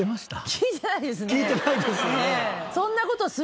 聞いてないですよね。